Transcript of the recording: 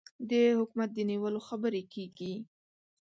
د حکومت د نیولو خبرې کېږي.